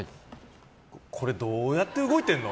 これどうやって動いてんの？